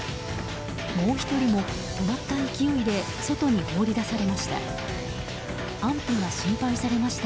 もう１人も止まった勢いで外に放り出されました。